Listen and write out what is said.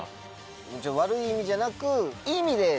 悪い意味じゃなく。